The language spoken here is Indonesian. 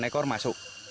delapan ekor masuk